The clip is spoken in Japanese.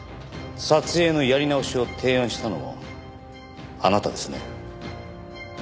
撮影のやり直しを提案したのもあなたですね。